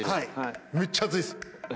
めっちゃ熱いです。